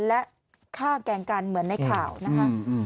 และฆ่าแกล้งกันเหมือนในข่าวนะคะ